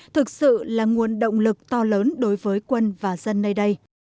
thực sự là nguồn động lực to lớn đối với quân và dân nơi đây